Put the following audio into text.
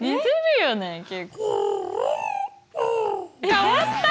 変わったよ！